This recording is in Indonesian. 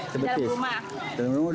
sebetis di dalam rumah